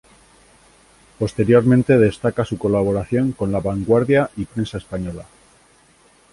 Posteriormente destaca su colaboración con "La Vanguardia" y Prensa Española.